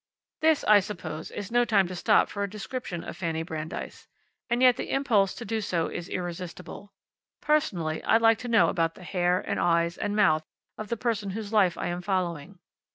This, I suppose, is no time to stop for a description of Fanny Brandeis. And yet the impulse to do so is irresistible. Personally, I like to know about the hair, and eyes, and mouth of the person whose life I am following.